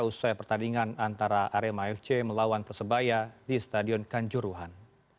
usai pertandingan antara rmafc melawan persebaya di stadion kanjuruhan